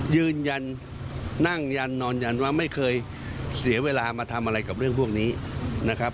ยืนยันนั่งยันนอนยันว่าไม่เคยเสียเวลามาทำอะไรกับเรื่องพวกนี้นะครับ